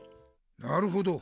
なるほど。